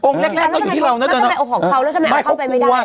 อ๋อองค์แรกแรกต้องอยู่ที่เรามันต้องเป็นออกของเขาแล้วใช่ไหมเอาเข้าไปไม่ได้